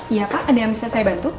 iya pak ada yang bisa saya bantu